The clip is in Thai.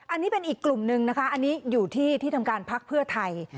อันนี้เป็นอีกกลุ่มนึงนะคะอันนี้อยู่ที่ที่ทำการพักเพื่อไทย